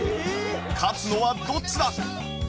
勝つのはどっちだ！